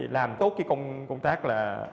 làm tốt cái công tác là